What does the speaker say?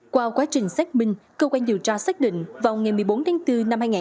qua quá trình xét minh cơ quan điều tra xét định vào ngày một mươi bốn bốn hai nghìn hai mươi ba